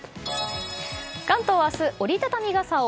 関東明日、折り畳み傘を。